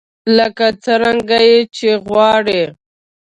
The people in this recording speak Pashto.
لکه څرنګه يې چې غواړئ.